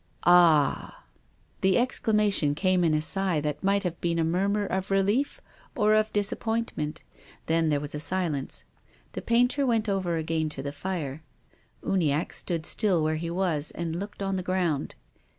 " "Ah!" The exclamation came in a sigh, that might have been amurmur of relief or of disappointment. Then there was a silence. The painter went over af^ain to the fire. Uniacke stood still where he was and looked on the ground.